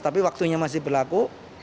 tapi waktunya masih berlaku